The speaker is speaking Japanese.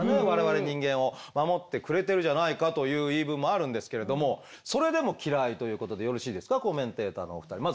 我々人間を守ってくれてるじゃないかという言い分もあるんですけれどもそれでも嫌いということでよろしいですかコメンテーターのお二人。